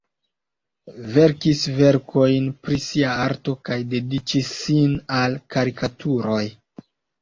Verkis verkojn pri sia arto kaj dediĉis sin al karikaturoj.